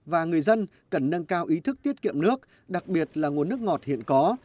và người dân cần nâng cao ý thức tiết kiệm nước đặc biệt là nguồn nước ngọt hiện có